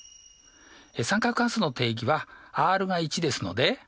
三角関数の定義はｒが１ですので。